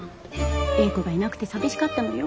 英子がいなくて寂しかったのよ。